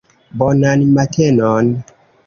Bonan matenon.